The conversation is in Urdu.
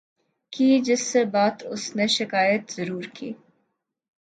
کی جس سے بات اسنے شکایت ضرور کی